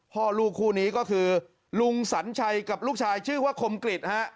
พ่อลูกคู่นี้ก็คือลุงสัญชัยกับลูกชายชื่อว่าคมกริจฮะ